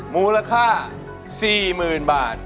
มูลค่า๔๐๐๐บาท